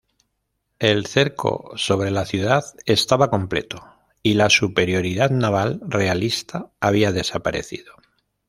El cerco sobre la ciudad estaba completo, y la superioridad naval realista había desaparecido.